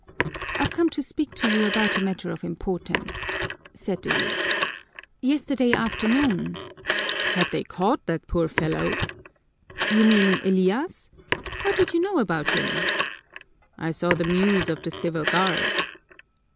"I've come to speak to you about a matter of importance," said the youth. "Yesterday afternoon " "Have they caught that poor fellow?" "You mean Elias? How did you know about him?" "I saw the Muse of the Civil Guard!"